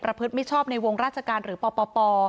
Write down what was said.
ประพฤติมิชชอบในวงราชการหรือปปป